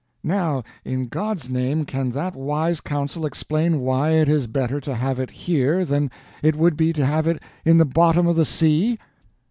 "Now, in God's name, can that wise council explain why it is better to have it here than it would be to have it in the bottom of the sea?"